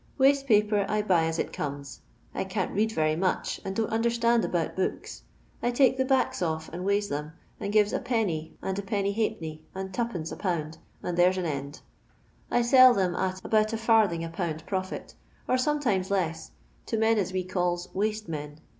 Waste paper I buy as it comes. I c.in't read very much, and don't un dorstind about books. I take the backs off and weighs them, and gives Id., and l\d.f and 2d. a pound, nnd there 's on end. I sell them at about J'/, a pound profit, or soinetimei less, to men at wo c^lls 'waste' men.